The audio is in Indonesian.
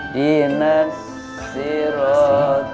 nunggu aja kan